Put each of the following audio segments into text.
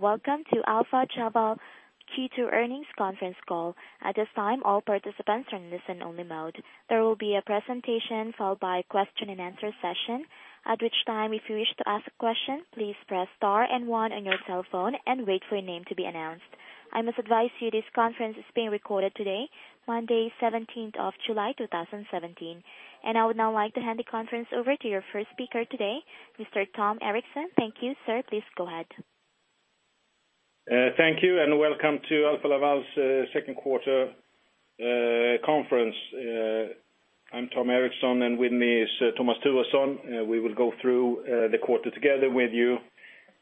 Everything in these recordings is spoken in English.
Welcome to Alfa Laval Q2 Earnings Conference Call. At this time, all participants are in listen-only mode. There will be a presentation followed by a question and answer session, at which time, if you wish to ask a question, please press star and one on your telephone and wait for your name to be announced. I must advise you this conference is being recorded today, Monday, 17th of July, 2017. I would now like to hand the conference over to your first speaker today, Mr. Tom Erixon. Thank you, sir. Please go ahead. Thank you. Welcome to Alfa Laval's second quarter conference. I'm Tom Erixon, and with me is Thomas Thuresson. We will go through the quarter together with you.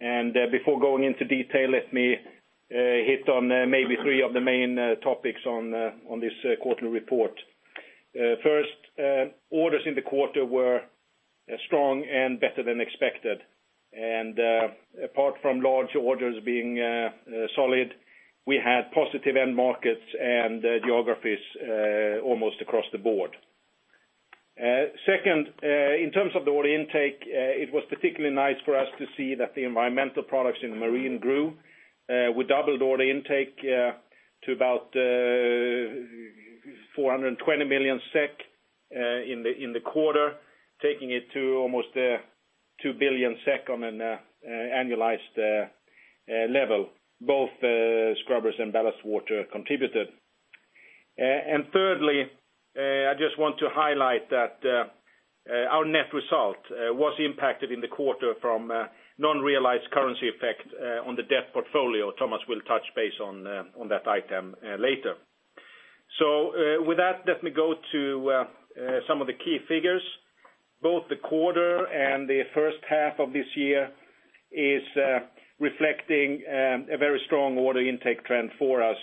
Before going into detail, let me hit on maybe three of the main topics on this quarterly report. First, orders in the quarter were strong and better than expected. Apart from large orders being solid, we had positive end markets and geographies almost across the board. Second, in terms of the order intake, it was particularly nice for us to see that the environmental products in Marine grew. We doubled order intake to about 420 million SEK in the quarter, taking it to almost 2 billion SEK on an annualized level, both scrubbers and ballast water contributed. Thirdly, I just want to highlight that our net result was impacted in the quarter from non-realized currency effect on the debt portfolio. Thomas will touch base on that item later. With that, let me go to some of the key figures. Both the quarter and the first half of this year is reflecting a very strong order intake trend for us.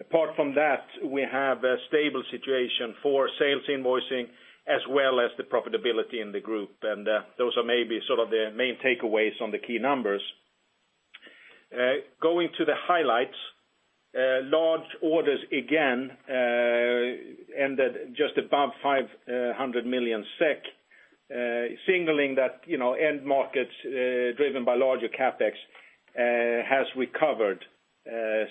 Apart from that, we have a stable situation for sales invoicing as well as the profitability in the group. Those are maybe sort of the main takeaways on the key numbers. Going to the highlights, large orders again ended just above 500 million SEK, signaling that end markets driven by larger CapEx has recovered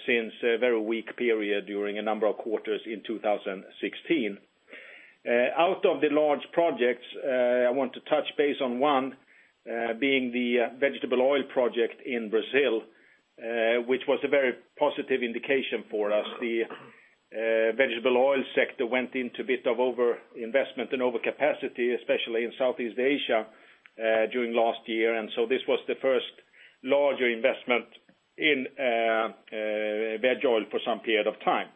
since a very weak period during a number of quarters in 2016. Out of the large projects, I want to touch base on one, being the vegetable oil project in Brazil, which was a very positive indication for us. The vegetable oil sector went into a bit of over investment and overcapacity, especially in Southeast Asia, during last year. This was the first larger investment in veg oil for some period of time.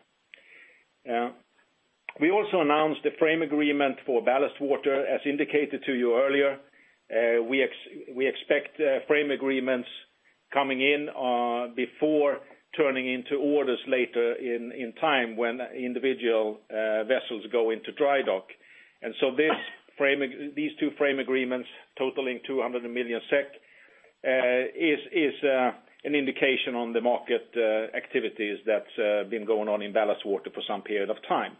We also announced a frame agreement for ballast water. As indicated to you earlier, we expect frame agreements coming in before turning into orders later in time when individual vessels go into dry dock. These two frame agreements totaling 200 million SEK, is an indication on the market activities that's been going on in ballast water for some period of time.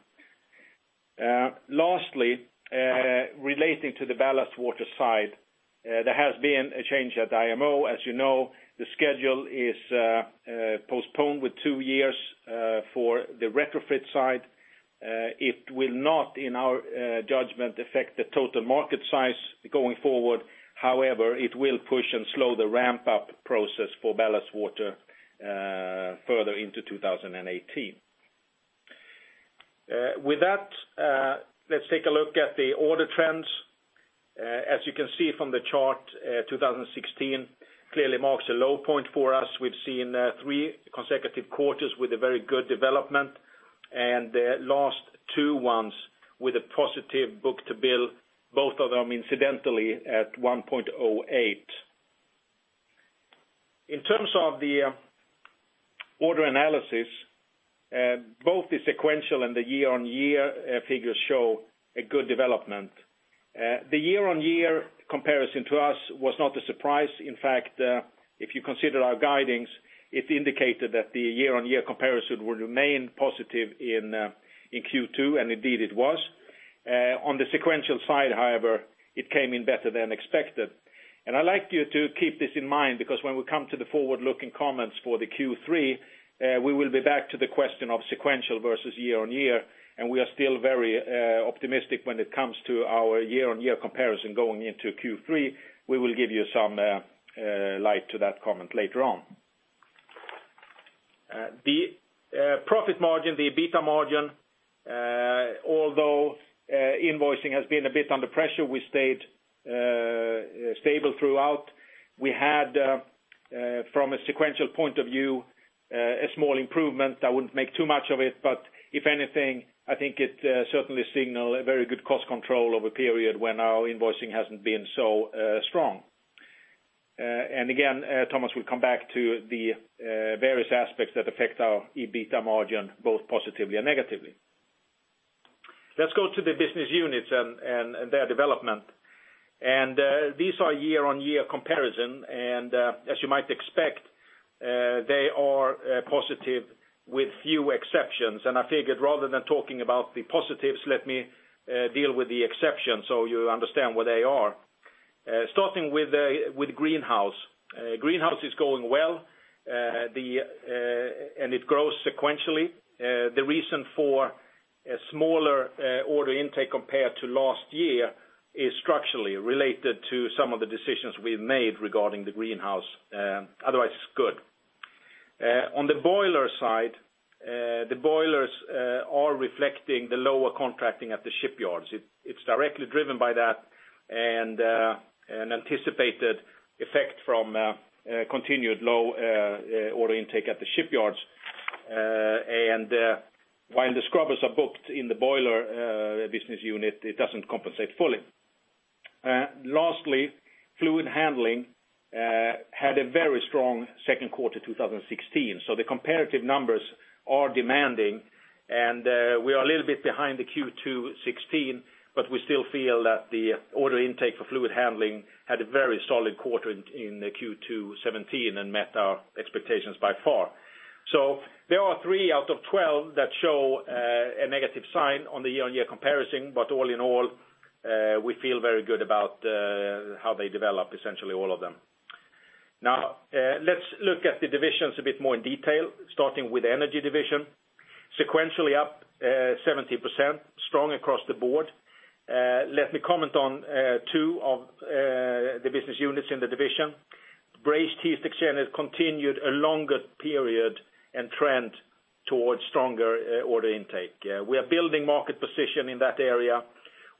Lastly, relating to the ballast water side, there has been a change at IMO. As you know, the schedule is postponed with 2 years for the retrofit side. It will not, in our judgment, affect the total market size going forward. It will push and slow the ramp-up process for ballast water further into 2018. With that, let's take a look at the order trends. As you can see from the chart, 2016 clearly marks a low point for us. We've seen 3 consecutive quarters with a very good development, and the last 2 ones with a positive book-to-bill, both of them incidentally at 1.08. In terms of the order analysis, both the sequential and the year-on-year figures show a good development. The year-on-year comparison to us was not a surprise. If you consider our guidings, it indicated that the year-on-year comparison would remain positive in Q2, and indeed it was. On the sequential side, it came in better than expected. I'd like you to keep this in mind because when we come to the forward-looking comments for the Q3, we will be back to the question of sequential versus year-on-year, and we are still very optimistic when it comes to our year-on-year comparison going into Q3. We will give you some light to that comment later on. The profit margin, the EBITDA margin, although invoicing has been a bit under pressure, we stayed stable throughout. We had, from a sequential point of view, a small improvement. I wouldn't make too much of it, if anything, I think it certainly signal a very good cost control over a period when our invoicing hasn't been so strong. Again, Thomas will come back to the various aspects that affect our EBITDA margin both positively and negatively. Let's go to the business units and their development. These are year-on-year comparison, as you might expect they are positive with few exceptions. I figured rather than talking about the positives, let me deal with the exceptions so you understand where they are. Starting with Greenhouse. Greenhouse is going well, and it grows sequentially. The reason for a smaller order intake compared to last year is structurally related to some of the decisions we've made regarding Greenhouse. Otherwise, it's good. On the boiler side, the boilers are reflecting the lower contracting at the shipyards. It's directly driven by that, anticipated effect from continued low order intake at the shipyards. While the scrubbers are booked in the boiler business unit, it doesn't compensate fully. Lastly, Fluid Handling had a very strong second quarter 2016. The comparative numbers are demanding, and we are a little bit behind the Q2 2016, we still feel that the order intake for fluid handling had a very solid quarter in the Q2 2017 and met our expectations by far. There are 3 out of 12 that show a negative sign on the year-on-year comparison. All in all, we feel very good about how they developed, essentially all of them. Let's look at the divisions a bit more in detail, starting with Energy division. Sequentially up 17%, strong across the board. Let me comment on 2 of the business units in the division. Brazed heat exchangers continued a longer period and trend towards stronger order intake. We are building market position in that area.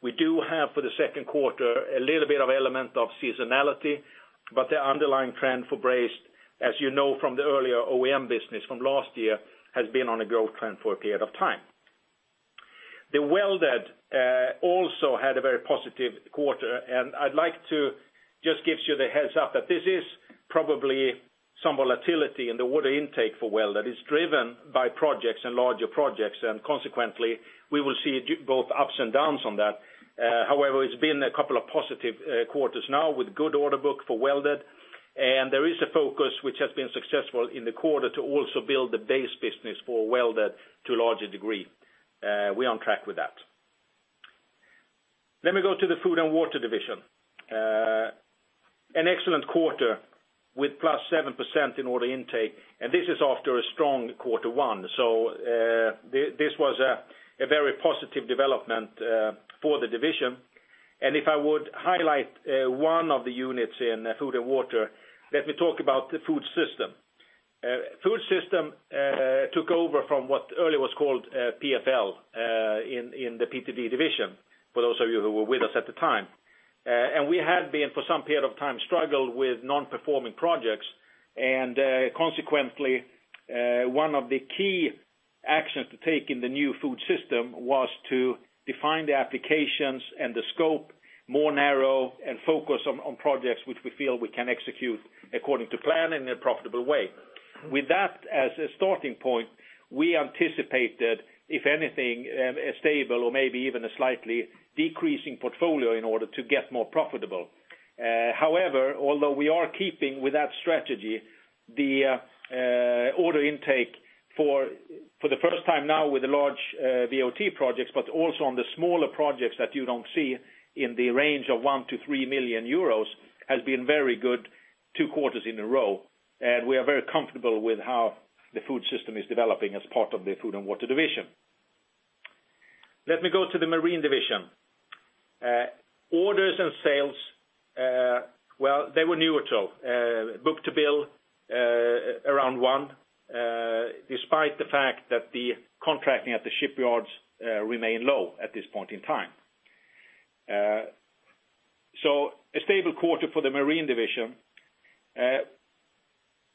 We do have, for the 2nd quarter, a little bit of element of seasonality, but the underlying trend for Brazed, as you know from the earlier OEM business from last year, has been on a growth trend for a period of time. The Welded also had a very positive quarter. I would like to just give you the heads-up that this is probably some volatility in the order intake for Welded. It is driven by projects and larger projects, and consequently, we will see both ups and downs on that. However, it has been a couple of positive quarters now with good order book for Welded, and there is a focus which has been successful in the quarter to also build the base business for Welded to a larger degree. We are on track with that. Let me go to the Food & Water division. An excellent quarter with +7% in order intake, and this is after a strong Q1. This was a very positive development for the division. If I would highlight one of the units in Food & Water, let me talk about the Food System. Food System took over from what earlier was called PFL in the PPD division, for those of you who were with us at the time. We had, for some period of time, struggled with non-performing projects, and consequently, one of the key actions to take in the new Food System was to define the applications and the scope more narrow and focus on projects which we feel we can execute according to plan in a profitable way. With that as a starting point, we anticipated, if anything, a stable or maybe even a slightly decreasing portfolio in order to get more profitable. However, although we are keeping with that strategy, the order intake for the first time now with the large VOT projects, but also on the smaller projects that you do not see in the range of 1 million-3 million euros, has been very good two quarters in a row, and we are very comfortable with how the Food System is developing as part of the Food & Water division. Let me go to the Marine division. Orders and sales, well, they were neutral. Book-to-bill, around one, despite the fact that the contracting at the shipyards remain low at this point in time. So a stable quarter for the Marine division.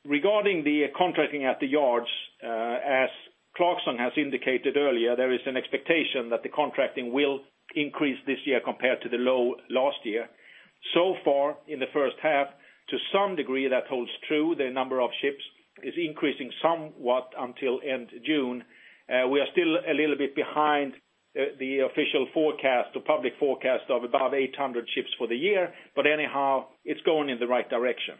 Regarding the contracting at the yards, as Clarksons has indicated earlier, there is an expectation that the contracting will increase this year compared to the low last year. So far in the first half, to some degree, that holds true. The number of ships is increasing somewhat until end June. We are still a little bit behind the official forecast or public forecast of above 800 ships for the year. But anyhow, it is going in the right direction.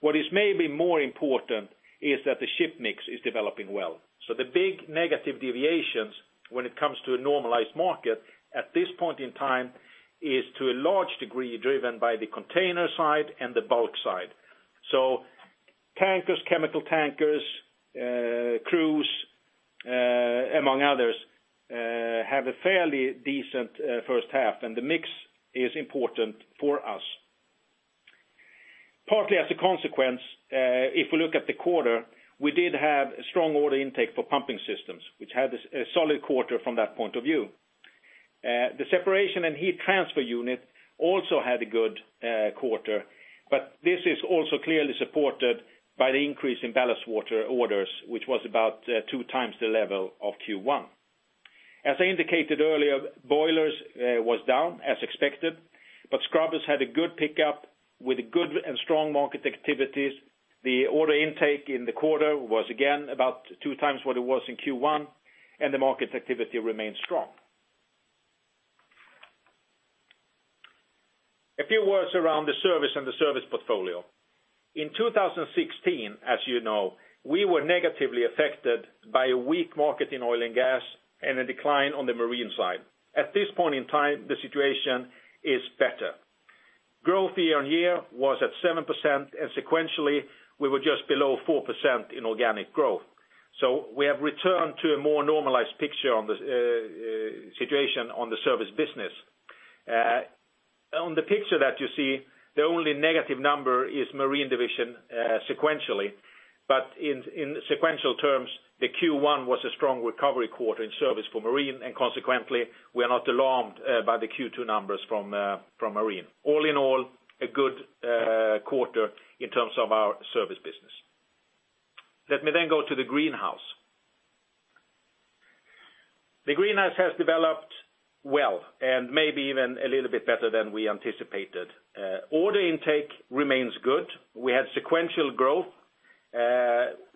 What is maybe more important is that the ship mix is developing well. The big negative deviations when it comes to a normalized market at this point in time is to a large degree driven by the container side and the bulk side. So tankers, chemical tankers, crews, among others, have a fairly decent first half, and the mix is important for us. Partly as a consequence, if we look at the quarter, we did have a strong order intake for pumping systems, which had a solid quarter from that point of view. The separation and heat transfer unit also had a good quarter. This is also clearly supported by the increase in ballast water orders, which was about two times the level of Q1. As I indicated earlier, boilers was down as expected, but scrubbers had a good pickup with good and strong market activities. The order intake in the quarter was again about two times what it was in Q1, and the market activity remains strong. A few words around the service and the service portfolio. In 2016, as you know, we were negatively affected by a weak market in oil and gas and a decline on the marine side. At this point in time, the situation is better. Growth year-on-year was at 7%, and sequentially, we were just below 4% in organic growth. We have returned to a more normalized picture on the situation on the service business. On the picture that you see, the only negative number is Marine division sequentially. In sequential terms, the Q1 was a strong recovery quarter in service for marine, and consequently, we are not alarmed by the Q2 numbers from marine. All in all, a good quarter in terms of our service business. Let me go to the Greenhouse division. The Greenhouse division has developed well and maybe even a little bit better than we anticipated. Order intake remains good. We had sequential growth.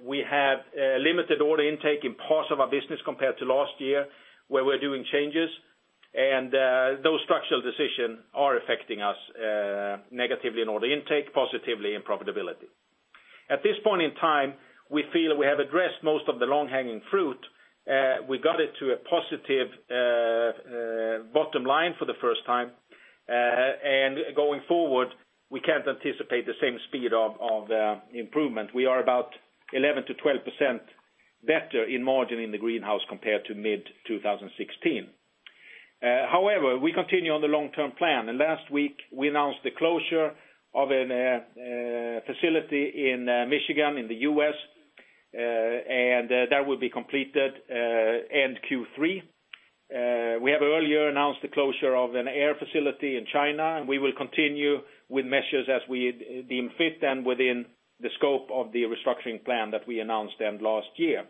We have limited order intake in parts of our business compared to last year, where we're doing changes, and those structural decisions are affecting us negatively in order intake, positively in profitability. At this point in time, we feel that we have addressed most of the low-hanging fruit. We got it to a positive bottom line for the first time. Going forward, we can't anticipate the same speed of improvement. We are about 11%-12% better in margin in the Greenhouse division compared to mid-2016. However, we continue on the long-term plan, and last week, we announced the closure of a facility in Michigan in the U.S., and that will be completed end Q3. We have earlier announced the closure of an air facility in China, and we will continue with measures as we deem fit and within the scope of the restructuring plan that we announced end last year.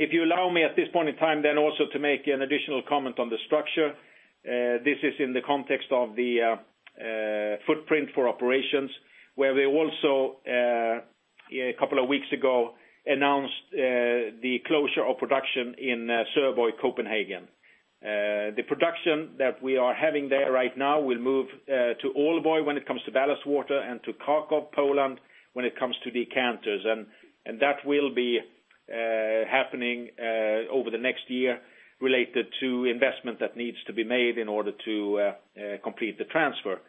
If you allow me at this point in time also to make an additional comment on the structure. This is in the context of the footprint for operations, where we also, a couple of weeks ago, announced the closure of production in Søborg, Copenhagen. The production that we are having there right now will move to Aalborg when it comes to ballast water and to Kraków, Poland when it comes to decanters. That will be happening over the next year related to investment that needs to be made in order to complete the transfer.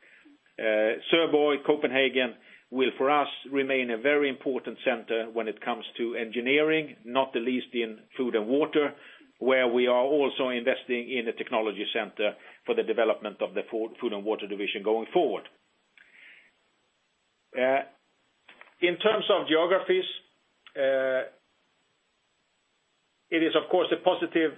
Søborg, Copenhagen will, for us, remain a very important center when it comes to engineering, not the least in Food & Water division, where we are also investing in a technology center for the development of the Food & Water division going forward. In terms of geographies, it is, of course, a positive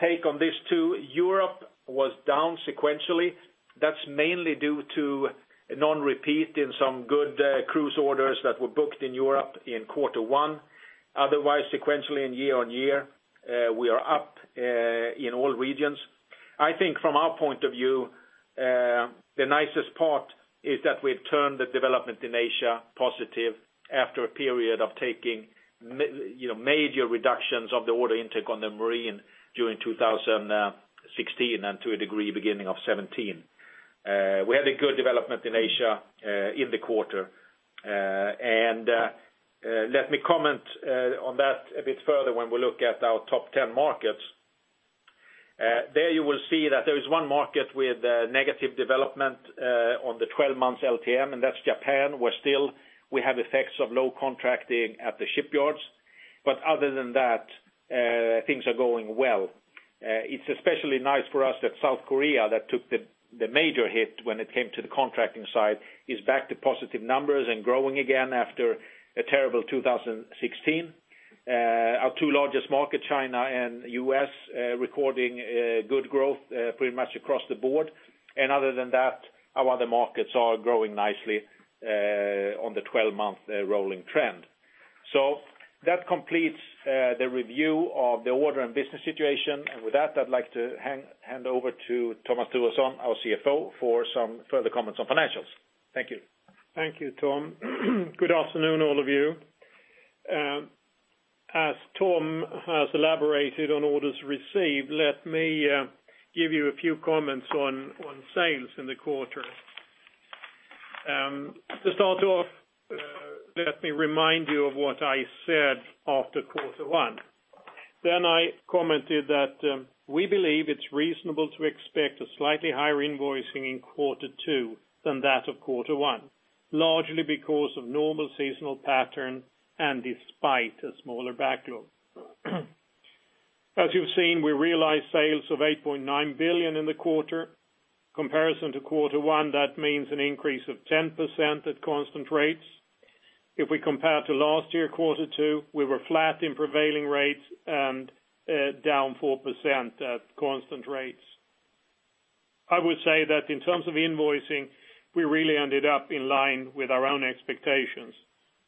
take on this, too. Europe was down sequentially. That's mainly due to a non-repeat in some good cruise orders that were booked in Europe in quarter one. Otherwise, sequentially and year-on-year, we are up in all regions. I think from our point of view, the nicest part is that we've turned the development in Asia positive after a period of taking major reductions of the order intake on the marine during 2016, and to a degree, beginning of 2017. We had a good development in Asia in the quarter. Let me comment on that a bit further when we look at our top 10 markets. There you will see that there is one market with negative development on the 12 months LTM, and that's Japan, where still we have effects of low contracting at the shipyards. Other than that, things are going well. It's especially nice for us that South Korea, that took the major hit when it came to the contracting side, is back to positive numbers and growing again after a terrible 2016. Our two largest markets, China and U.S., recording good growth pretty much across the board. Other than that, our other markets are growing nicely on the 12-month rolling trend. That completes the review of the order and business situation. With that, I'd like to hand over to Thomas Thuresson, our CFO, for some further comments on financials. Thank you. Thank you, Tom. Good afternoon, all of you. As Tom has elaborated on orders received, let me give you a few comments on sales in the quarter. To start off, let me remind you of what I said after quarter one. Then I commented that we believe it's reasonable to expect a slightly higher invoicing in quarter two than that of quarter one, largely because of normal seasonal pattern and despite a smaller backlog. As you've seen, we realized sales of 8.9 billion in the quarter. Comparison to quarter one, that means an increase of 10% at constant rates. If we compare to last year, quarter two, we were flat in prevailing rates and down 4% at constant rates. I would say that in terms of invoicing, we really ended up in line with our own expectations.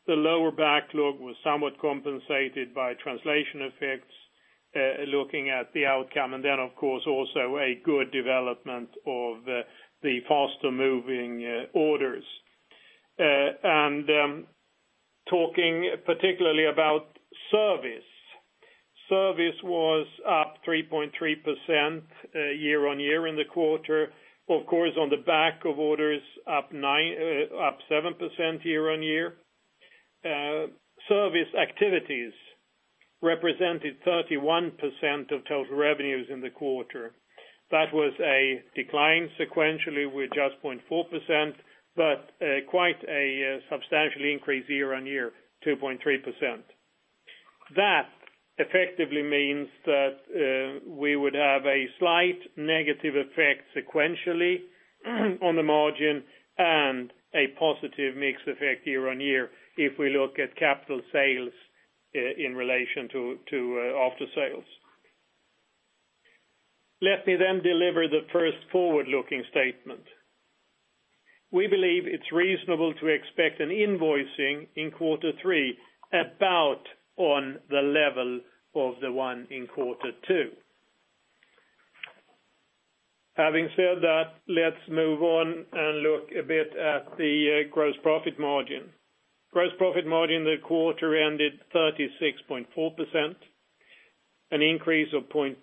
The lower backlog was somewhat compensated by translation effects, looking at the outcome, and then, of course, also a good development of the faster-moving orders. Talking particularly about service. Service was up 3.3% year-on-year in the quarter, of course, on the back of orders up 7% year-on-year. Service activities represented 31% of total revenues in the quarter. That was a decline sequentially with just 0.4%, but quite a substantial increase year-on-year, 2.3%. That effectively means that we would have a slight negative effect sequentially on the margin, and a positive mix effect year-on-year if we look at capital sales in relation to aftersales. Let me then deliver the first forward-looking statement. We believe it's reasonable to expect an invoicing in quarter three about on the level of the one in quarter two. Having said that, let's move on and look a bit at the gross profit margin. Gross profit margin in the quarter ended 36.4%, an increase of 0.2%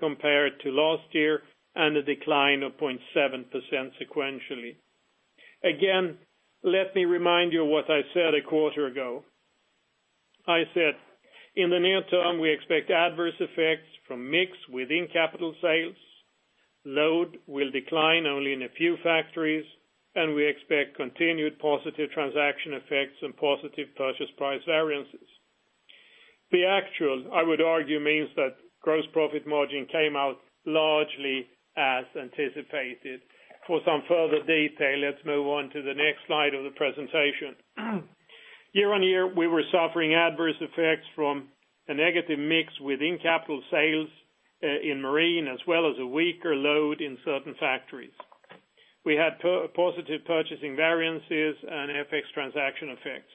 compared to last year, a decline of 0.7% sequentially. Again, let me remind you what I said a quarter ago. I said, in the near term, we expect adverse effects from mix within capital sales, load will decline only in a few factories, and we expect continued positive transaction effects and positive purchase price variances. The actual, I would argue, means that gross profit margin came out largely as anticipated. For some further detail, let's move on to the next slide of the presentation. Year-on-year, we were suffering adverse effects from a negative mix within capital sales in marine, as well as a weaker load in certain factories. We had positive purchasing variances and FX transaction effects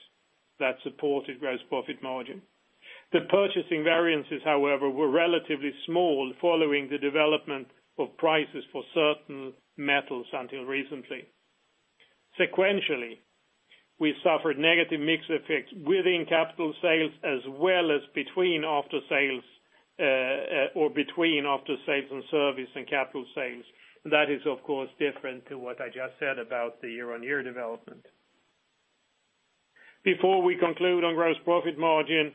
that supported gross profit margin. The purchasing variances, however, were relatively small following the development of prices for certain metals until recently. Sequentially, we suffered negative mix effects within capital sales as well as between aftersales or between aftersales and service and capital sales. That is, of course, different to what I just said about the year-on-year development. Before we conclude on gross profit margin,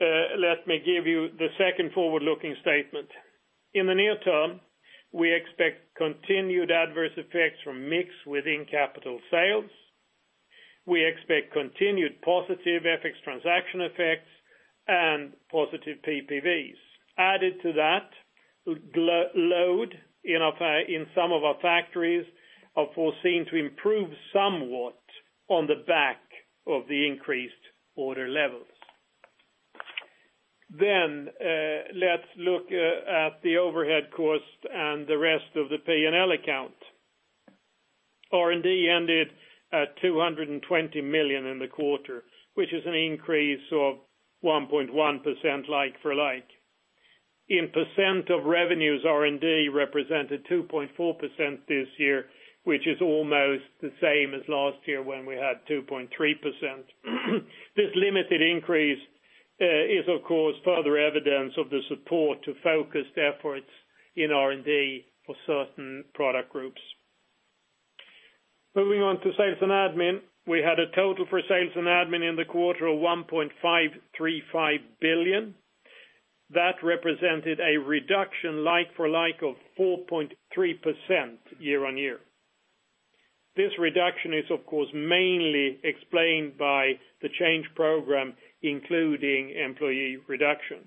let me give you the second forward-looking statement. In the near term, we expect continued adverse effects from mix within capital sales. We expect continued positive FX transaction effects and positive PPVs. Added to that, load in some of our factories are foreseen to improve somewhat on the back of the increased order levels. Let's look at the overhead cost and the rest of the P&L account. R&D ended at 220 million in the quarter, which is an increase of 1.1% like for like. In % of revenues, R&D represented 2.4% this year, which is almost the same as last year when we had 2.3%. This limited increase is, of course, further evidence of the support to focused efforts in R&D for certain product groups. Moving on to sales and admin. We had a total for sales and admin in the quarter of 1.535 billion. That represented a reduction like for like of 4.3% year-on-year. This reduction is, of course, mainly explained by the change program, including employee reduction.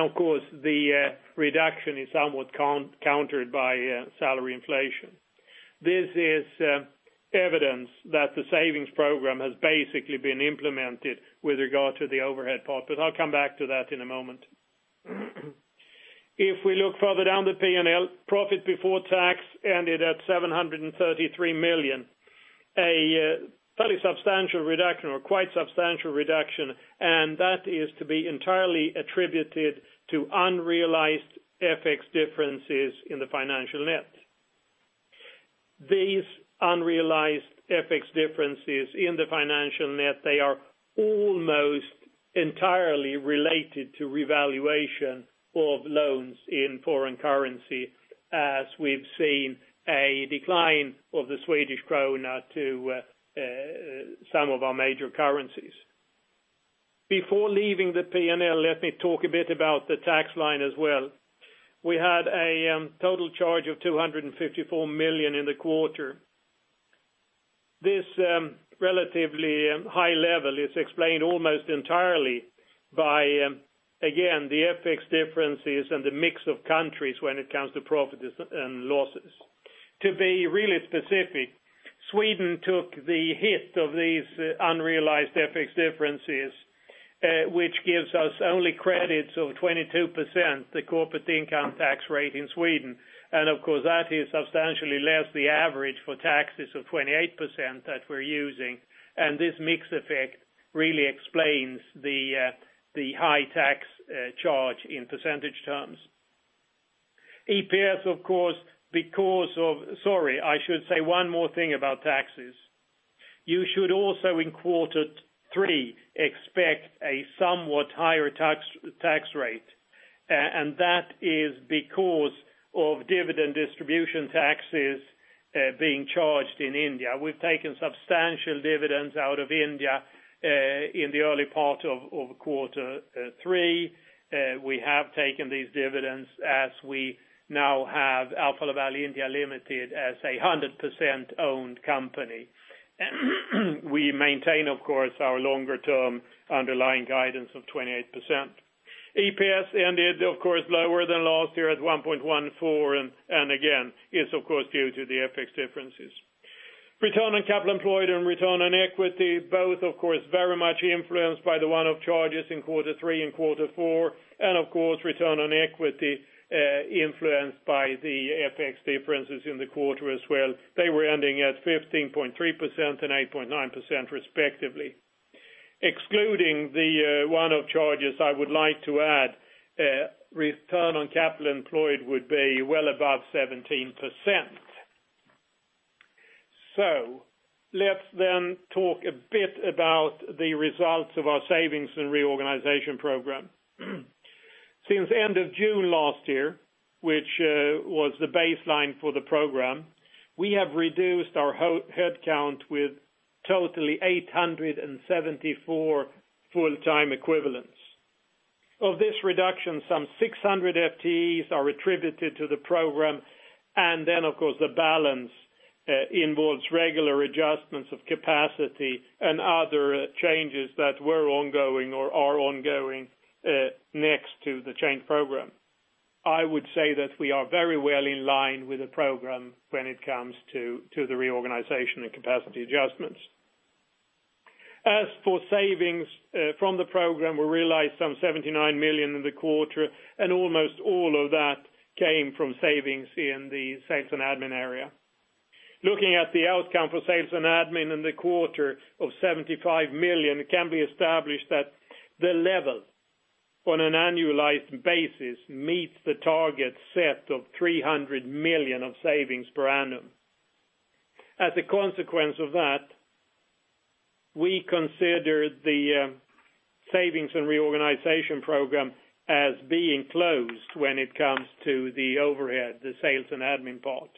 Of course, the reduction is somewhat countered by salary inflation. This is evidence that the savings program has basically been implemented with regard to the overhead part, but I'll come back to that in a moment. If we look further down the P&L, profit before tax ended at 733 million, a fairly substantial reduction or quite substantial reduction, and that is to be entirely attributed to unrealized FX differences in the financial net. These unrealized FX differences in the financial net, they are almost entirely related to revaluation of loans in foreign currency, as we've seen a decline of the Swedish krona to some of our major currencies. Before leaving the P&L, let me talk a bit about the tax line as well. We had a total charge of 254 million in the quarter. This relatively high level is explained almost entirely by, again, the FX differences and the mix of countries when it comes to profits and losses. To be really specific, Sweden took the hit of these unrealized FX differences, which gives us only credits of 22%, the corporate income tax rate in Sweden. That is substantially less the average for taxes of 28% that we're using. This mix effect really explains the high tax charge in percentage terms. EPS, of course. Sorry, I should say one more thing about taxes. You should also in quarter three expect a somewhat higher tax rate, that is because of dividend distribution taxes being charged in India. We've taken substantial dividends out of India, in the early part of quarter three. We have taken these dividends as we now have Alfa Laval India Private Limited as 100% owned company. We maintain, of course, our longer-term underlying guidance of 28%. EPS ended, of course, lower than last year at 1.14, and again, is of course due to the FX differences. Return on capital employed and return on equity, both of course very much influenced by the one-off charges in quarter three and quarter four, and of course, return on equity, influenced by the FX differences in the quarter as well. They were ending at 15.3% and 8.9% respectively. Excluding the one-off charges, I would like to add, return on capital employed would be well above 17%. Let's talk a bit about the results of our savings and reorganization program. Since the end of June last year, which was the baseline for the program, we have reduced our headcount with totally 874 full-time equivalents. Of this reduction, some 600 FTEs are attributed to the program, and then of course, the balance involves regular adjustments of capacity and other changes that were ongoing or are ongoing next to the Change program. I would say that we are very well in line with the program when it comes to the reorganization and capacity adjustments. As for savings from the program, we realized some 79 million in the quarter, and almost all of that came from savings in the sales and admin area. Looking at the outcome for sales and admin in the quarter of 75 million, it can be established that the level on an annualized basis meets the target set of 300 million of savings per annum. As a consequence of that, we consider the savings and reorganization program as being closed when it comes to the overhead, the sales and admin part.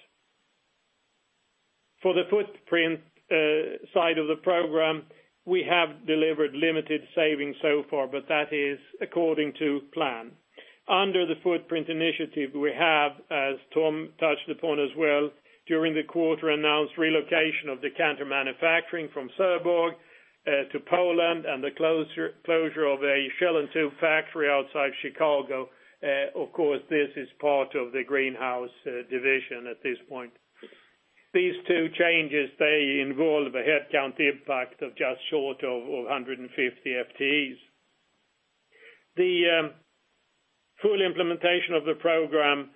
For the footprint side of the program, we have delivered limited savings so far, but that is according to plan. Under the footprint initiative, we have, as Tom touched upon as well during the quarter, announced relocation of the decanter manufacturing from Søborg to Poland, and the closure of a shell and tube factory outside Chicago. Of course, this is part of the Greenhouse division at this point. These two changes, they involve a headcount impact of just short of 150 FTEs. The full implementation of the program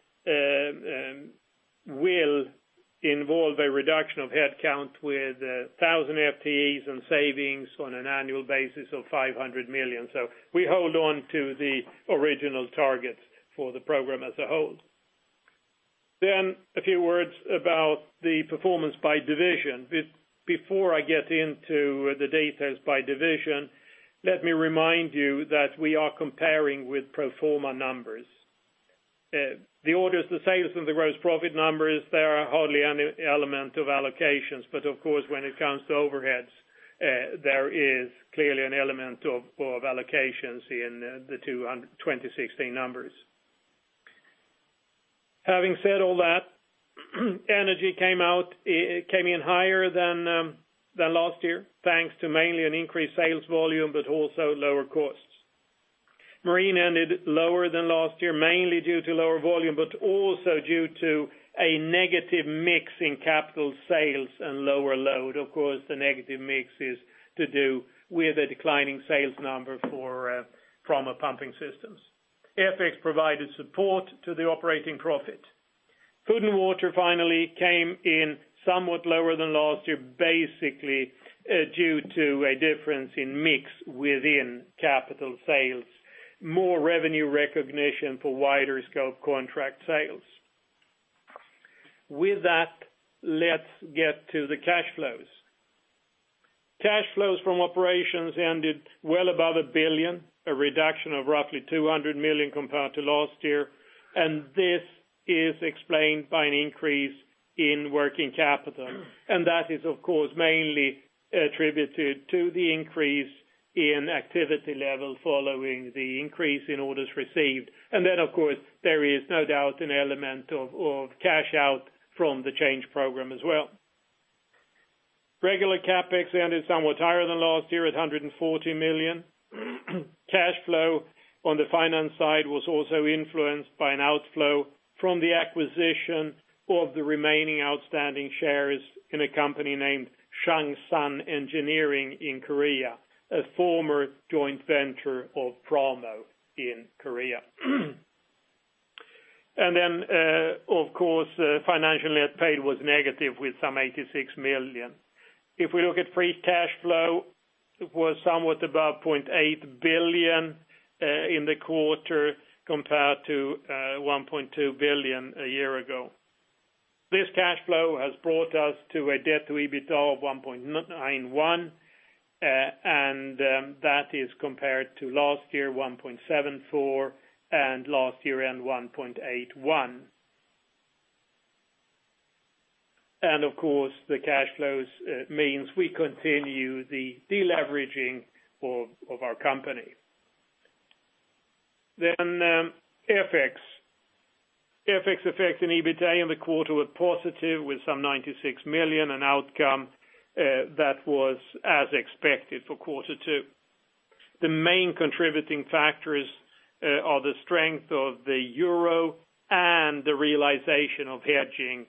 will involve a reduction of headcount with 1,000 FTEs and savings on an annual basis of 500 million. We hold on to the original targets for the program as a whole. A few words about the performance by division. Before I get into the details by division, let me remind you that we are comparing with pro forma numbers. The orders, the sales, and the gross profit numbers, there are hardly any element of allocations. Of course, when it comes to overheads, there is clearly an element of allocations in the 2016 numbers. Having said all that, Energy came in higher than last year, thanks to mainly an increased sales volume, but also lower costs. Marine ended lower than last year, mainly due to lower volume, but also due to a negative mix in capital sales and lower load. Of course, the negative mix is to do with a declining sales number for Framo Pumping Systems. FX provided support to the operating profit. Food & Water finally came in somewhat lower than last year, basically due to a difference in mix within capital sales. More revenue recognition for wider scope contract sales. With that, let's get to the cash flows. Cash flows from operations ended well above 1 billion, a reduction of roughly 200 million compared to last year. This is explained by an increase in working capital. That is, of course, mainly attributed to the increase in activity level following the increase in orders received. Then, of course, there is no doubt an element of cash out from the Change program as well. Regular CapEx ended somewhat higher than last year at 140 million. Cash flow on the finance side was also influenced by an outflow from the acquisition of the remaining outstanding shares in a company named Sung San Engineering in Korea, a former joint venture of Framo in Korea. Then, of course, financial net paid was negative with some 86 million. If we look at free cash flow, was somewhat above 0.8 billion in the quarter compared to 1.2 billion a year ago. This cash flow has brought us to a debt to EBITDA of 1.91. That is compared to last year, 1.74, and last year end, 1.81. Of course, the cash flows means we continue the de-leveraging of our company. Then FX. FX effect in EBITDA in the quarter was positive with some 96 million, an outcome that was as expected for Q2. The main contributing factors are the strength of the EUR and the realization of hedging,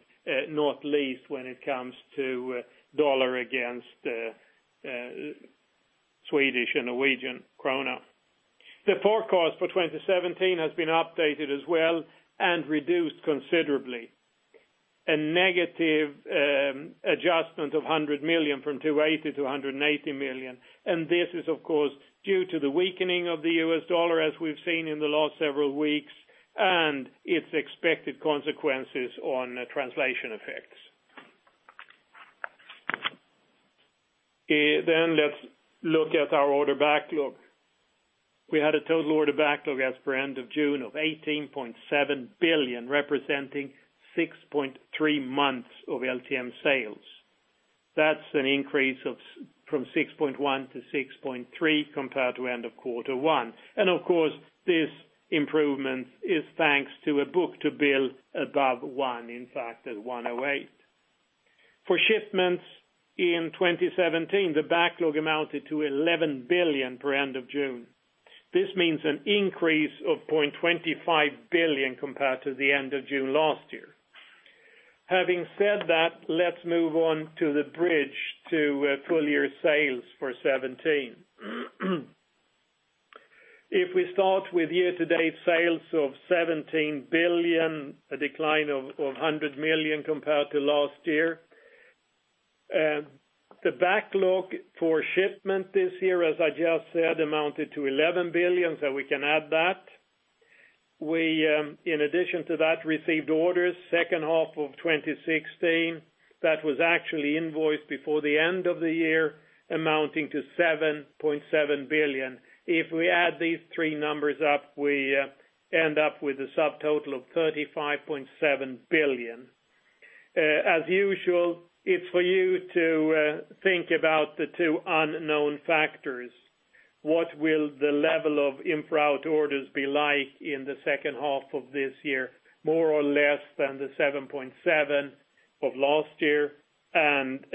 not least when it comes to USD against Swedish krona and Norwegian krone. The forecast for 2017 has been updated as well and reduced considerably. A negative adjustment of 100 million from 280 million to 180 million. This is, of course, due to the weakening of the U.S. dollar as we've seen in the last several weeks, and its expected consequences on translation effects. Let's look at our order backlog. We had a total order backlog as per end of June of 18.7 billion, representing 6.3 months of LTM sales. That is an increase from 6.1 to 6.3 compared to end of Q1. Of course, this improvement is thanks to a book-to-bill above one, in fact, at 108. For shipments in 2017, the backlog amounted to 11 billion per end of June. This means an increase of 0.25 billion compared to the end of June last year. Having said that, let's move on to the bridge to full-year sales for 2017. We start with year-to-date sales of 17 billion, a decline of 100 million compared to last year. The backlog for shipment this year, as I just said, amounted to 11 billion. We can add that. We, in addition to that, received orders second half of 2016 that was actually invoiced before the end of the year, amounting to 7.7 billion. If we add these three numbers up, we end up with a subtotal of 35.7 billion. As usual, it's for you to think about the two unknown factors. What will the level of in-route orders be like in the second half of this year, more or less than the 7.7 of last year? And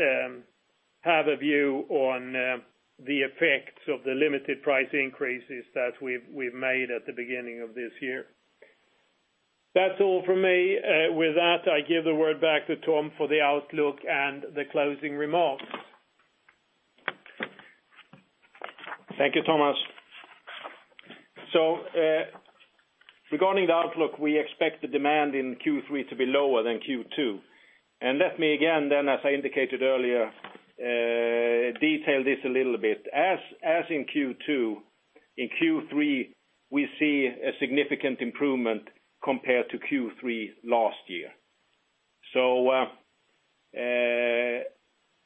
have a view on the effects of the limited price increases that we've made at the beginning of this year. That's all from me. With that, I give the word back to Thomas for the outlook and the closing remarks. Thank you, Thomas. Regarding the outlook, we expect the demand in Q3 to be lower than Q2. Let me again then, as I indicated earlier, detail this a little bit. As in Q2, in Q3, we see a significant improvement compared to Q3 last year.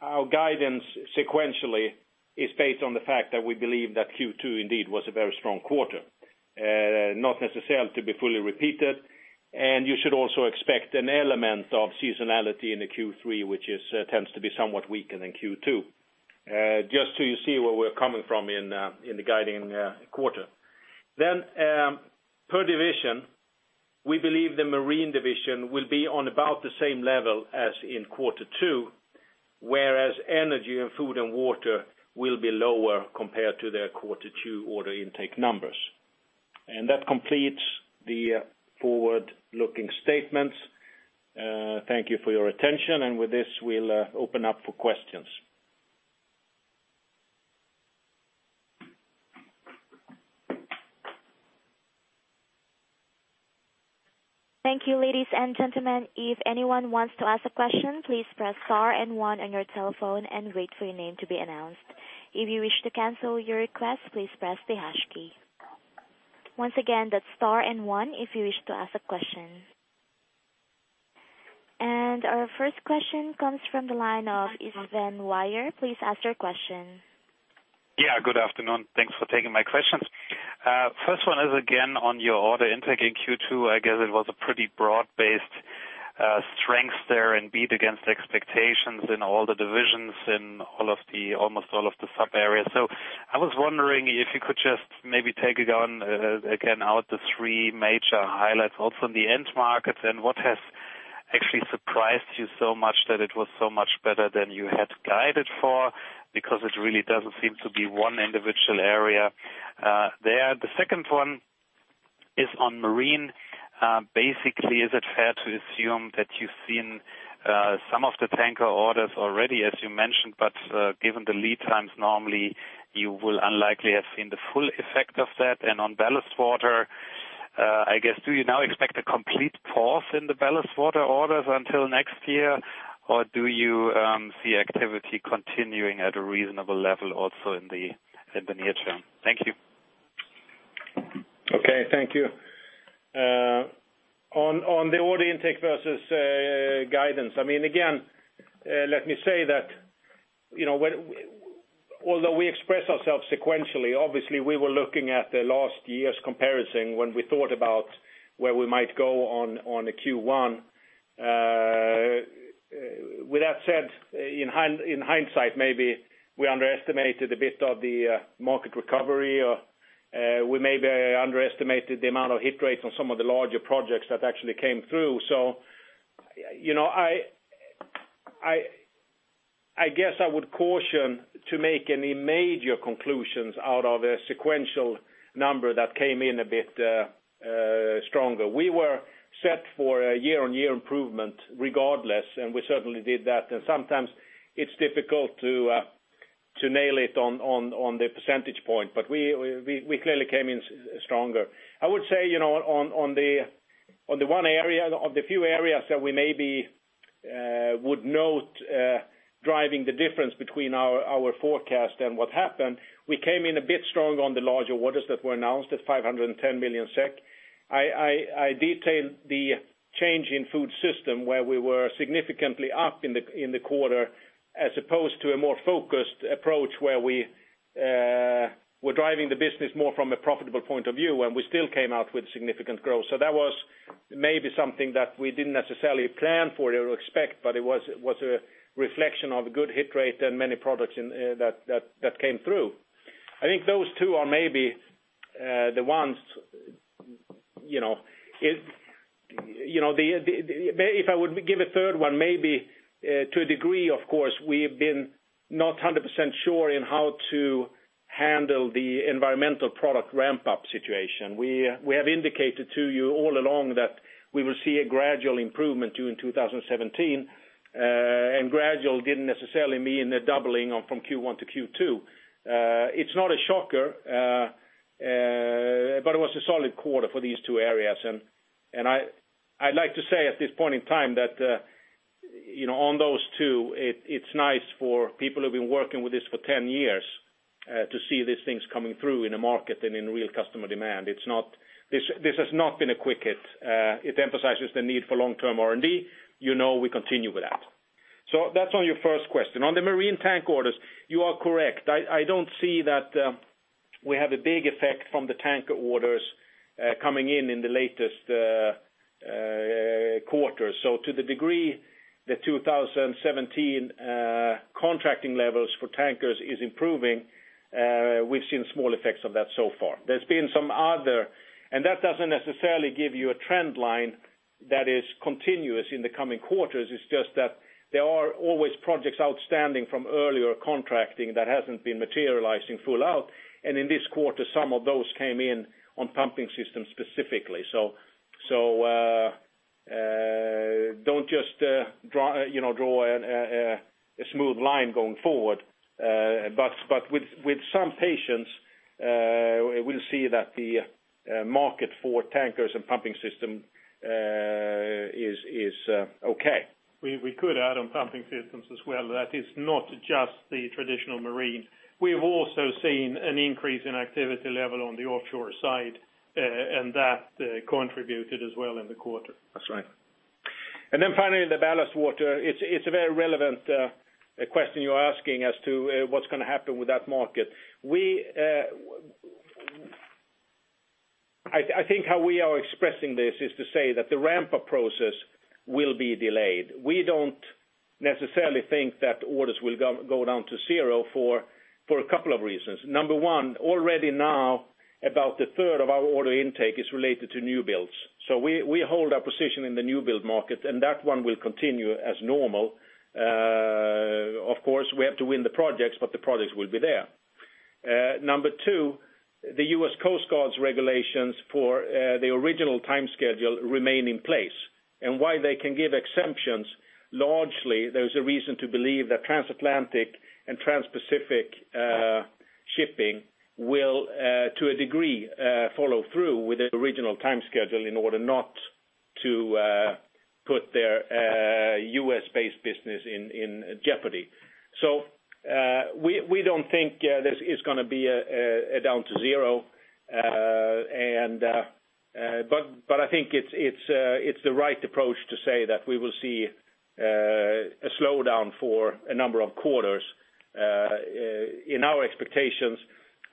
Our guidance sequentially is based on the fact that we believe that Q2 indeed was a very strong quarter, not necessarily to be fully repeated. You should also expect an element of seasonality in the Q3, which tends to be somewhat weaker than Q2. Just so you see where we're coming from in the guiding quarter. Then, per division, we believe the Marine division will be on about the same level as in quarter two, whereas Energy and Food & Water will be lower compared to their quarter two order intake numbers. That completes the forward-looking statements. Thank you for your attention, and with this, we'll open up for questions. Thank you, ladies and gentlemen. If anyone wants to ask a question, please press star and one on your telephone and wait for your name to be announced. If you wish to cancel your request, please press the hash key. Once again, that's star and one if you wish to ask a question. Our first question comes from the line of Sven Weier. Please ask your question. Good afternoon. Thanks for taking my questions. First one is again on your order intake in Q2. I guess it was a pretty broad-based strength there and beat against expectations in all the divisions in almost all of the sub-areas. I was wondering if you could just maybe take it on again out the three major highlights also in the end markets, and what has actually surprised you so much that it was so much better than you had guided for? It really doesn't seem to be one individual area there. The second one is on Marine. Basically, is it fair to assume that you've seen some of the tanker orders already, as you mentioned, but given the lead times, normally you will unlikely have seen the full effect of that? On ballast water I guess, do you now expect a complete pause in the ballast water orders until next year? Do you see activity continuing at a reasonable level also in the near term? Thank you. Thank you. On the order intake versus guidance, again, let me say that although we express ourselves sequentially, obviously we were looking at the last year's comparison when we thought about where we might go on the Q1. With that said, in hindsight, maybe we underestimated a bit of the market recovery, or we maybe underestimated the amount of hit rates on some of the larger projects that actually came through. I guess I would caution to make any major conclusions out of a sequential number that came in a bit stronger. We were set for a year-on-year improvement regardless, and we certainly did that. Sometimes it's difficult to nail it on the percentage point. We clearly came in stronger. I would say, on the few areas that we maybe would note driving the difference between our forecast and what happened, we came in a bit stronger on the larger orders that were announced at 510 million SEK. I detailed the change in Food System where we were significantly up in the quarter as opposed to a more focused approach where we were driving the business more from a profitable point of view, and we still came out with significant growth. That was maybe something that we didn't necessarily plan for or expect, but it was a reflection of a good hit rate and many products that came through. I think those two are maybe the ones. If I would give a third one, maybe to a degree, of course, we've been not 100% sure in how to handle the environmental product ramp-up situation. We have indicated to you all along that we will see a gradual improvement during 2017. Gradual didn't necessarily mean a doubling from Q1 to Q2. It's not a shocker. It was a solid quarter for these two areas, and I'd like to say at this point in time that on those two, it's nice for people who've been working with this for 10 years to see these things coming through in a market and in real customer demand. This has not been a quick hit. It emphasizes the need for long-term R&D. You know we continue with that. That's on your first question. On the marine tank orders, you are correct. I don't see that we have a big effect from the tanker orders coming in in the latest quarter. To the degree, the 2017 contracting levels for tankers is improving. We've seen small effects of that so far. There's been some other. That doesn't necessarily give you a trend line that is continuous in the coming quarters. It's just that there are always projects outstanding from earlier contracting that hasn't been materialized in full out. In this quarter, some of those came in on pumping systems specifically. Don't just draw a smooth line going forward. With some patience, we'll see that the market for tankers and pumping system is okay. We could add on pumping systems as well. That is not just the traditional marine. We've also seen an increase in activity level on the offshore side. That contributed as well in the quarter. That's right. Then finally, the ballast water. It's a very relevant question you're asking as to what's going to happen with that market. I think how we are expressing this is to say that the ramp-up process will be delayed. We don't necessarily think that orders will go down to zero for a couple of reasons. Number one, already now, about a third of our order intake is related to new builds. We hold our position in the new build market. That one will continue as normal. Of course, we have to win the projects. The projects will be there. Number two, the U.S. Coast Guard's regulations for the original time schedule remain in place. While they can give exemptions, largely, there's a reason to believe that Transatlantic and Transpacific shipping will, to a degree, follow through with the original time schedule in order not to put their U.S.-based business in jeopardy. We don't think this is going to be a down to zero. I think it's the right approach to say that we will see a slowdown for a number of quarters. In our expectations,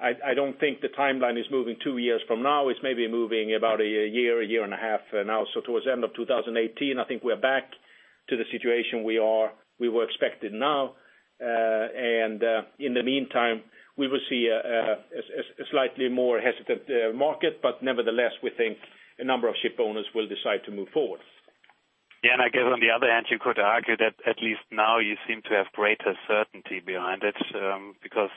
I don't think the timeline is moving 2 years from now. It's maybe moving about a year, a year and a half now. Towards the end of 2018, I think we are back to the situation we were expected now. In the meantime, we will see a slightly more hesitant market. Nevertheless, we think a number of ship owners will decide to move forward. I guess on the other hand, you could argue that at least now you seem to have greater certainty behind it, because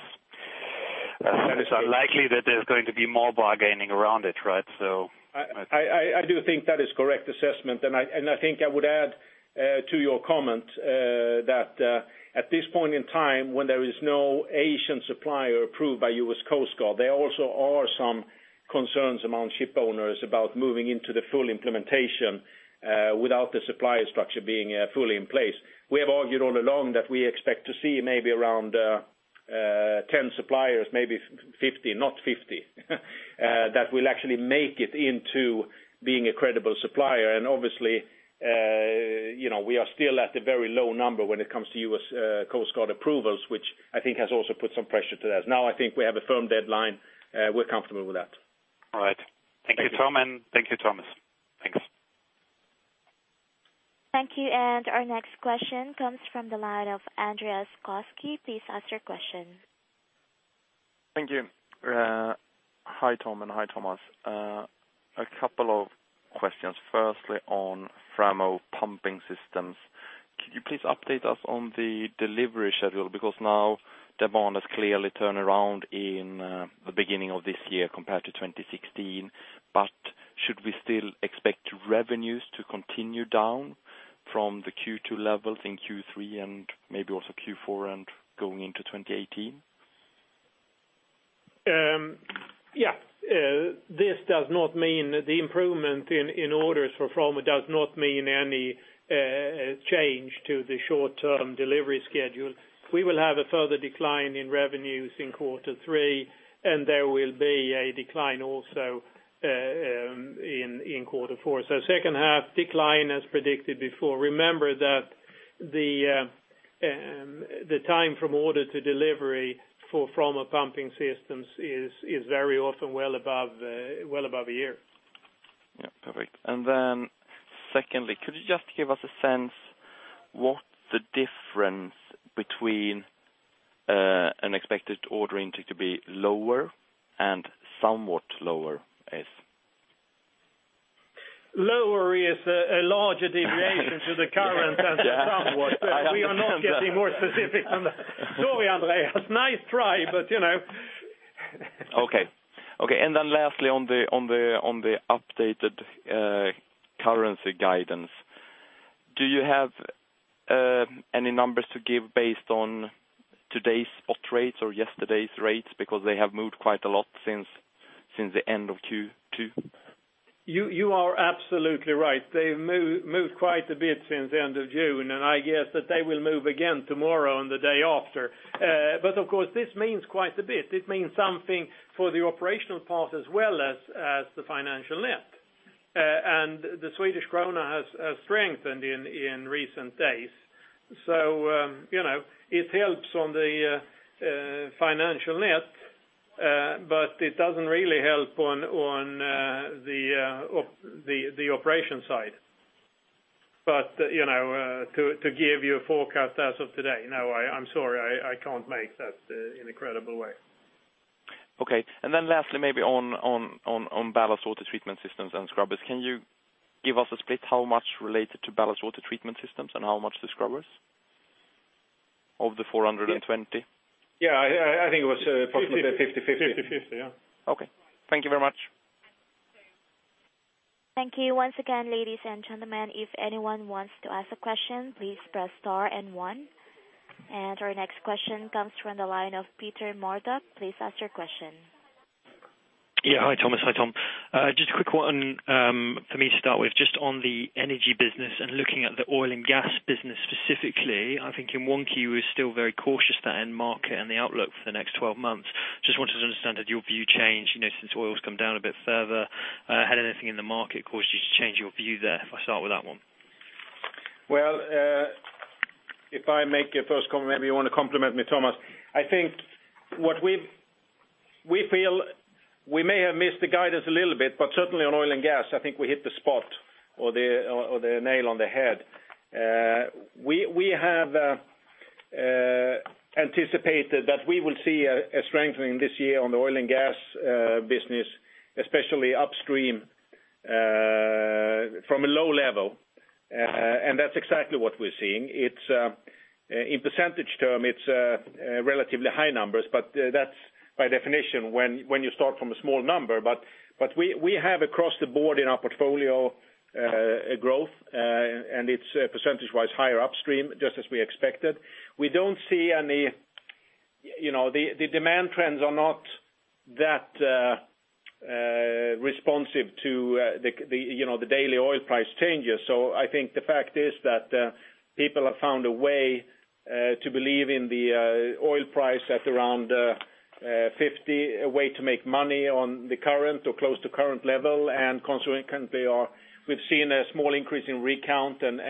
it's unlikely that there's going to be more bargaining around it, right? I do think that is correct assessment, I think I would add to your comment that at this point in time, when there is no Asian supplier approved by U.S. Coast Guard, there also are some Concerns among ship owners about moving into the full implementation without the supplier structure being fully in place. We have argued all along that we expect to see maybe around 10 suppliers, maybe 50, not 50, that will actually make it into being a credible supplier. Obviously, we are still at a very low number when it comes to U.S. Coast Guard approvals, which I think has also put some pressure to that. Now I think we have a firm deadline, we're comfortable with that. All right. Thank you, Tom, and thank you, Thomas. Thank you. Our next question comes from the line of Andreas Koski. Please ask your question. Thank you. Hi, Tom, and hi, Thomas. A couple of questions. Firstly, on Framo Pumping Systems, could you please update us on the delivery schedule? Now demand has clearly turned around in the beginning of this year compared to 2016. Should we still expect revenues to continue down from the Q2 levels in Q3 and maybe also Q4 and going into 2018? Yes. The improvement in orders for Framo does not mean any change to the short-term delivery schedule. We will have a further decline in revenues in quarter three, and there will be a decline also in quarter four. Second half decline as predicted before. Remember that the time from order to delivery for Framo Pumping Systems is very often well above a year. Perfect. Secondly, could you just give us a sense what the difference between an expected order intake to be lower and somewhat lower is? Lower is a larger deviation to the current than somewhat. Yeah. I understand that. We are not getting more specific than that. Sorry, Andreas. Nice try, you know. Lastly on the updated currency guidance, do you have any numbers to give based on today's spot rates or yesterday's rates? Because they have moved quite a lot since the end of Q2. You are absolutely right. They've moved quite a bit since the end of June, and I guess that they will move again tomorrow and the day after. Of course, this means quite a bit. This means something for the operational part as well as the financial net. The Swedish krona has strengthened in recent days. It helps on the financial net, but it doesn't really help on the operation side. To give you a forecast as of today, no, I'm sorry, I can't make that in a credible way. Okay. Lastly, maybe on ballast water treatment systems and scrubbers. Can you give us a split how much related to ballast water treatment systems and how much to scrubbers? Of the 420. Yeah. I think it was approximately 50/50. 50/50, yeah. Okay. Thank you very much. Thank you once again, ladies and gentlemen. If anyone wants to ask a question, please press star and one. Our next question comes from the line of Peter Oram. Please ask your question. Yeah. Hi, Thomas. Hi, Tom. Just a quick one for me to start with, just on the Energy business and looking at the oil and gas business specifically, I think in 1Q you were still very cautious to end market and the outlook for the next 12 months. Just wanted to understand, had your view changed, since oil's come down a bit further? Had anything in the market caused you to change your view there? If I start with that one. Well, if I make a first comment, maybe you want to complement me, Thomas. I think we feel we may have missed the guidance a little bit, but certainly on oil and gas, I think we hit the spot or the nail on the head. We have anticipated that we will see a strengthening this year on the oil and gas business, especially upstream, from a low level, and that's exactly what we're seeing. In percentage term, it's relatively high numbers, but that's by definition when you start from a small number. We have across the board in our portfolio a growth, and it's percentage-wise higher upstream, just as we expected. The demand trends are not that responsive to the daily oil price changes. I think the fact is that people have found a way to believe in the oil price at around 50, a way to make money on the current or close to current level, consequently, we've seen a small increase in rig count and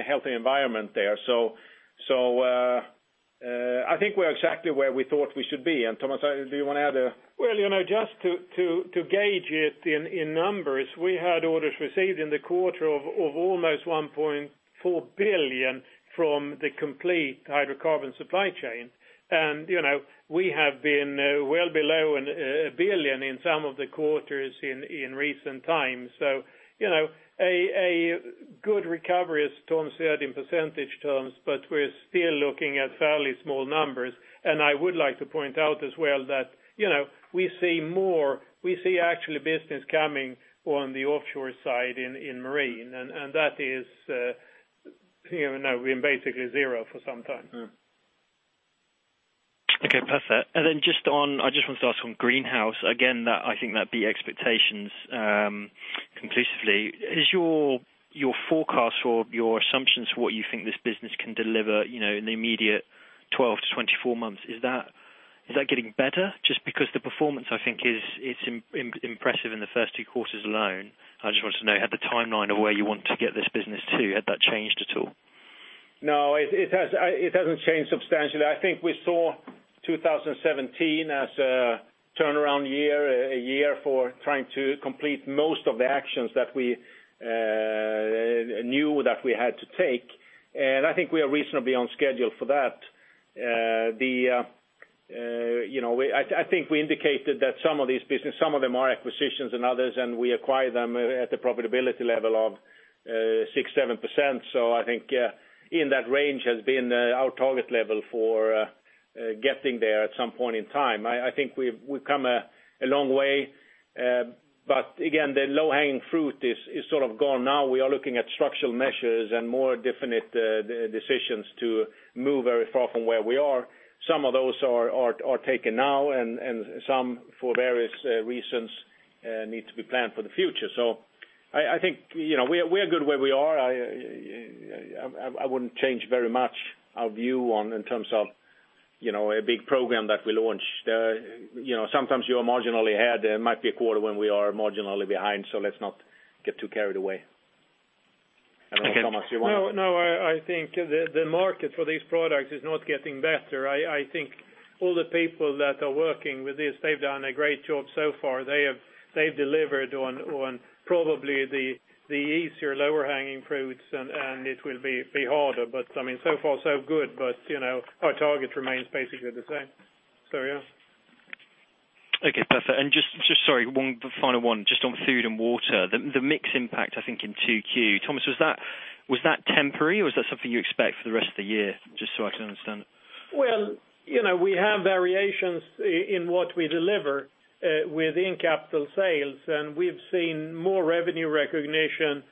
a healthy environment therSEKe. I think we're exactly where we thought we should be. Thomas, do you want to add? Well, just to gauge it in numbers, we had orders received in the quarter of almost 1.4 billion from the complete hydrocarbon supply chain. We have been well below 1 billion in some of the quarters in recent times. A good recovery, as Tom said, in percentage terms, but we're still looking at fairly small numbers. I would like to point out as well that we see actually business coming on the offshore side in Marine, and that has been basically zero for some time. Okay, perfect. I just want to start on Greenhouse again, I think that beat expectations conclusively. Is your forecast or your assumptions for what you think this business can deliver, in the immediate 12-24 months, is that getting better? Just because the performance, I think is impressive in the first two quarters alone. I just wanted to know, had the timeline of where you want to get this business to, had that changed at all? No, it hasn't changed substantially. I think we saw 2017 as a turnaround year, a year for trying to complete most of the actions that we knew that we had to take. I think we are reasonably on schedule for that. I think we indicated that some of these business, some of them are acquisitions and others, and we acquire them at the profitability level of 6%, 7%. I think, in that range has been our target level for getting there at some point in time. I think we've come a long way. Again, the low-hanging fruit is sort of gone now. We are looking at structural measures and more definite decisions to move very far from where we are. Some of those are taken now, and some, for various reasons, need to be planned for the future. I think, we are good where we are. I wouldn't change very much our view in terms of a big program that we launched. Sometimes you are marginally ahead. There might be a quarter when we are marginally behind, so let's not get too carried away. I don't know, Thomas, you want to? I think the market for these products is not getting better. I think all the people that are working with this, they've done a great job so far. They've delivered on probably the easier lower-hanging fruits, and it will be harder. I mean, so far so good. Our target remains basically the same. Yeah. Okay, perfect. Just, sorry, one final one, just on Food & Water. The mix impact, I think in 2Q, Thomas, was that temporary or was that something you expect for the rest of the year? Just so I can understand. Well, we have variations in what we deliver within capital sales, and we've seen more revenue recognition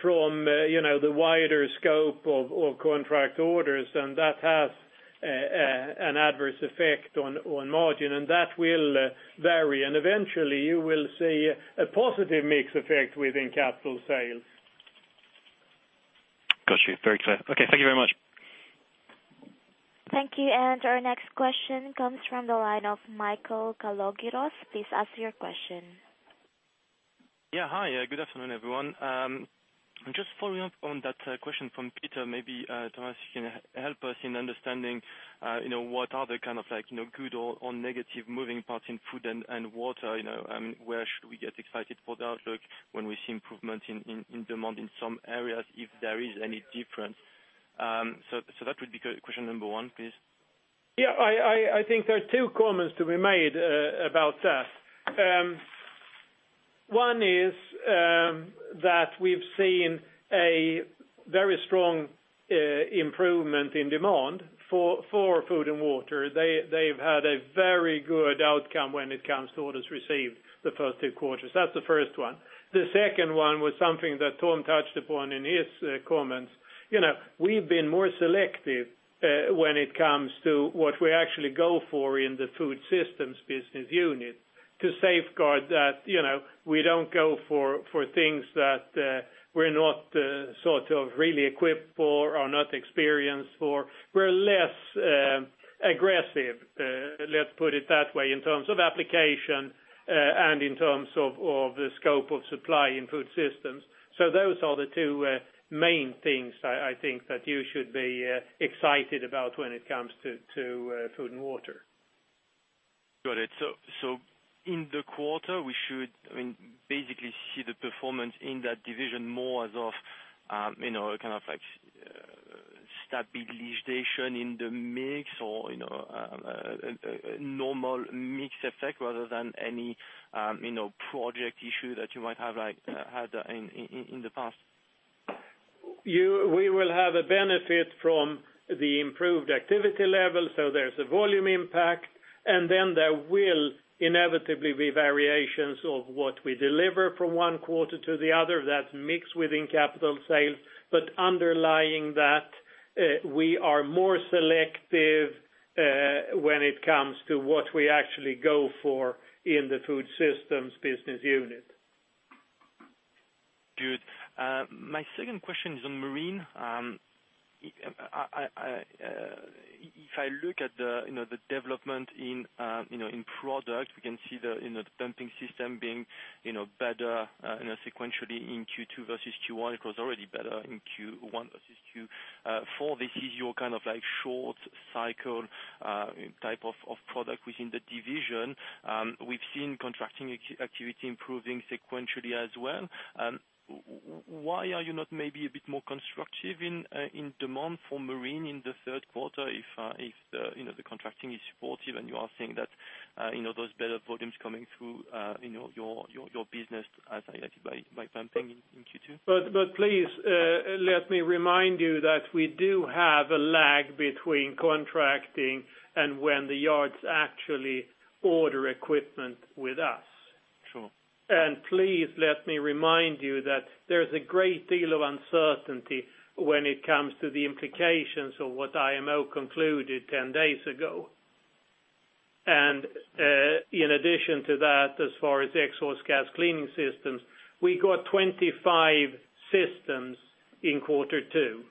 from the wider scope of contract orders, and that has an adverse effect on margin, and that will vary. Eventually, you will see a positive mix effect within capital sales. Got you. Very clear. Okay, thank you very much. Thank you. Our next question comes from the line of Mikael Dahl. Please ask your question. Hi, good afternoon, everyone. Just following up on that question from Peter, maybe Thomas, you can help us in understanding what are the kind of good or negative moving parts in Food & Water. Where should we get excited for the outlook when we see improvement in demand in some areas, if there is any difference? That would be question number one, please. I think there are two comments to be made about that. One is that we've seen a very strong improvement in demand for Food & Water. They've had a very good outcome when it comes to orders received the first two quarters. That's the first one. The second one was something that Tom touched upon in his comments. We've been more selective, when it comes to what we actually go for in the Food Systems business unit to safeguard that we don't go for things that we're not sort of really equipped for or not experienced for. We're less aggressive, let's put it that way, in terms of application, and in terms of the scope of supply in Food Systems. Those are the two main things I think that you should be excited about when it comes to Food & Water. Got it. In the quarter we should, I mean, basically see the performance in that division more as of kind of like stabilization in the mix or a normal mix effect rather than any project issue that you might have had in the past. We will have a benefit from the improved activity level, so there's a volume impact, and then there will inevitably be variations of what we deliver from one quarter to the other that's mixed within capital sales. Underlying that, we are more selective when it comes to what we actually go for in the Food Systems business unit. Good. My second question is on Marine. If I look at the development in product, we can see the pumping system being better sequentially in Q2 versus Q1. It was already better in Q1 versus Q4. This is your kind of short cycle type of product within the division. We've seen contracting activity improving sequentially as well. Why are you not maybe a bit more constructive in demand for Marine in the third quarter if the contracting is supportive and you are seeing that those better volumes coming through your business, as highlighted by pumping in Q2? Please, let me remind you that we do have a lag between contracting and when the yards actually order equipment with us. Sure. Please let me remind you that there's a great deal of uncertainty when it comes to the implications of what IMO concluded 10 days ago. In addition to that, as far as exhaust gas cleaning systems, we got 25 systems in quarter two.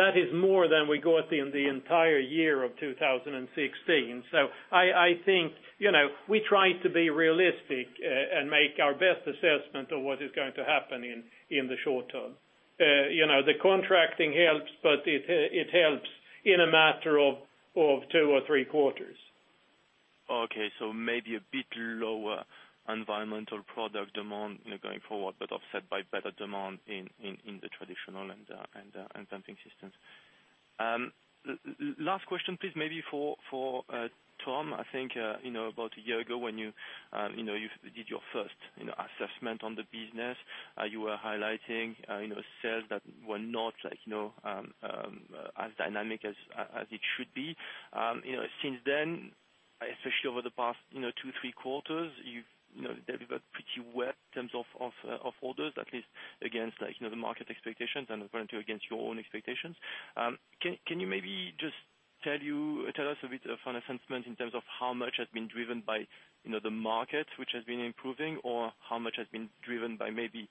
That is more than we got in the entire year of 2016. I think we try to be realistic and make our best assessment of what is going to happen in the short term. The contracting helps, but it helps in a matter of two or three quarters. Okay. Maybe a bit lower environmental product demand going forward, but offset by better demand in the traditional and pumping systems. Last question, please, maybe for Tom. I think, about a year ago when you did your first assessment on the business, you were highlighting sales that were not as dynamic as it should be. Since then, especially over the past two, three quarters, they did pretty well in terms of orders, at least against the market expectations and apparently against your own expectations. Can you maybe just tell us a bit of an assessment in terms of how much has been driven by the market which has been improving or how much has been driven by maybe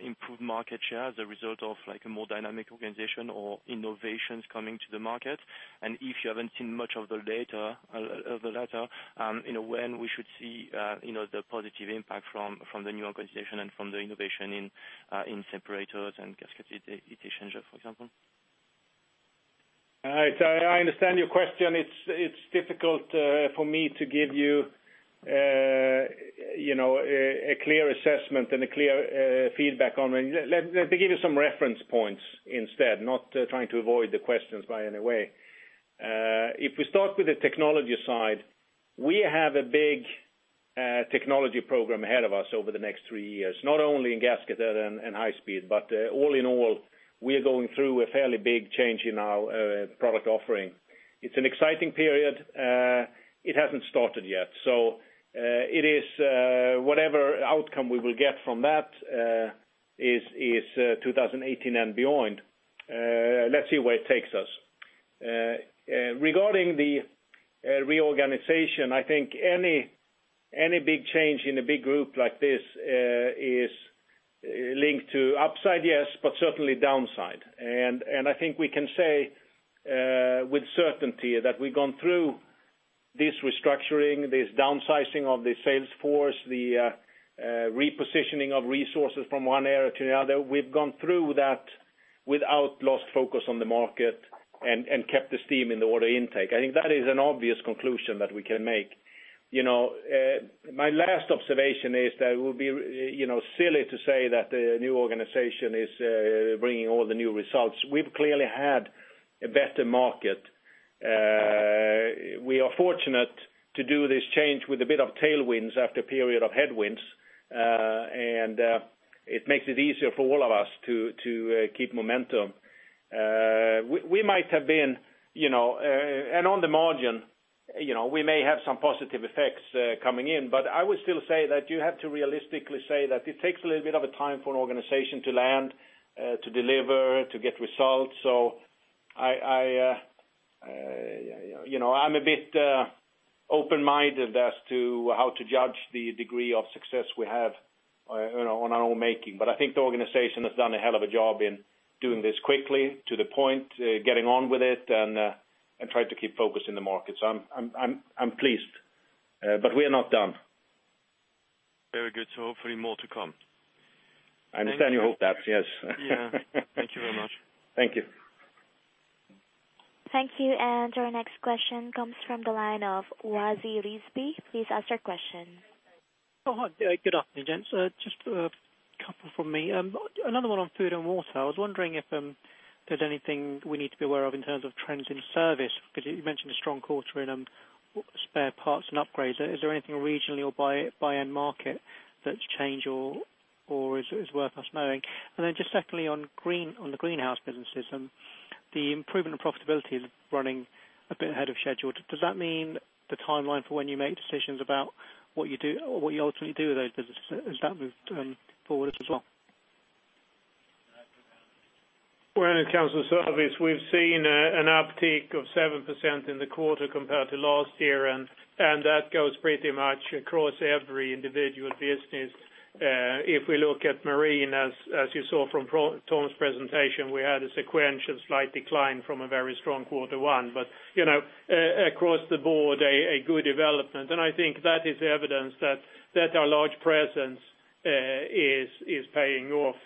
improved market share as a result of a more dynamic organization or innovations coming to the market? If you haven't seen much of the latter, when we should see the positive impact from the new organization and from the innovation in separators and gasketed plate heat exchangers, for example? I understand your question. It's difficult for me to give you a clear assessment and a clear feedback on it. Let me give you some reference points instead, not trying to avoid the questions by any way. If we start with the technology side, we have a big technology program ahead of us over the next three years, not only in gasket and high speed, but all in all, we are going through a fairly big change in our product offering. It's an exciting period. It hasn't started yet. Whatever outcome we will get from that is 2018 and beyond. Let's see where it takes us. Regarding the reorganization, I think any big change in a big group like this is linked to upside, yes, but certainly downside. I think we can say with certainty that we've gone through this restructuring, this downsizing of the sales force, the repositioning of resources from one area to the other. We've gone through that without lost focus on the market and kept the steam in the order intake. I think that is an obvious conclusion that we can make. My last observation is that it would be silly to say that the new organization is bringing all the new results. We've clearly had a better market. We are fortunate to do this change with a bit of tailwinds after a period of headwinds. It makes it easier for all of us to keep momentum. On the margin, we may have some positive effects coming in, I would still say that you have to realistically say that it takes a little bit of a time for an organization to land, to deliver, to get results. I'm a bit open-minded as to how to judge the degree of success we have on our own making. I think the organization has done a hell of a job in doing this quickly to the point, getting on with it, and trying to keep focus in the market. I'm pleased. We are not done. Very good. Hopefully more to come. I understand you hope that, yes. Yeah. Thank you very much. Thank you. Thank you. Our next question comes from the line of Klas Bergelind. Please ask your question. Hi. Good afternoon, gents. Just a couple from me. Another one on Food & Water. I was wondering if there's anything we need to be aware of in terms of trends in service, because you mentioned a strong quarter in spare parts and upgrades. Is there anything regionally or by end market that's changed or is worth us knowing? Then just secondly, on the Greenhouse businesses, the improvement in profitability is running a bit ahead of schedule. Does that mean the timeline for when you make decisions about what you ultimately do with those businesses, has that moved forward as well? When it comes to service, we've seen an uptick of 7% in the quarter compared to last year. That goes pretty much across every individual business. If we look at Marine, as you saw from Tom's presentation, we had a sequential slight decline from a very strong quarter one. Across the board, a good development, and I think that is evidence that our large presence is paying off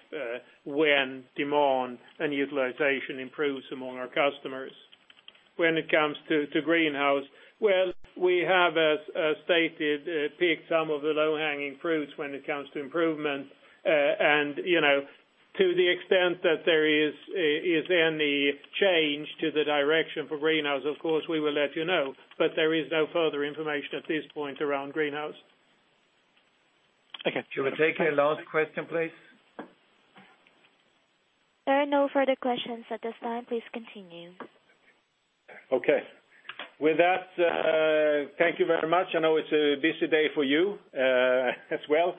when demand and utilization improves among our customers. When it comes to Greenhouse, well, we have, as stated, picked some of the low-hanging fruits when it comes to improvements. To the extent that there is any change to the direction for Greenhouse, of course, we will let you know, but there is no further information at this point around Greenhouse. Okay. Shall we take a last question, please? There are no further questions at this time. Please continue. Okay. With that, thank you very much. I know it's a busy day for you as well.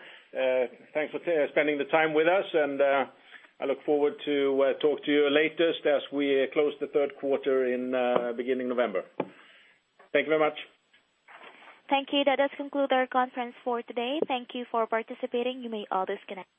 Thanks for spending the time with us, and I look forward to talk to you later as we close the third quarter in beginning November. Thank you very much. Thank you. That does conclude our conference for today. Thank you for participating. You may all disconnect.